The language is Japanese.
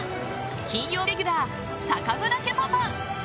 金曜レギュラー、坂村家パパ！